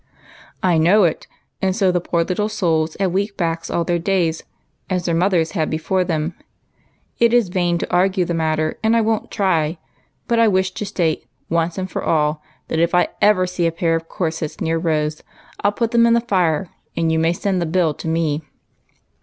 " I know it, and so the poor little souls have weak backs all their days, as their mothers had before them. It is vain to argue the matter, and I won't try, but I 210 EIGHT COUSINS. wish to state, once for all, that if I ever see a pair of corsets near Rose, I '11 put them in the fire, and you may send the bill to me."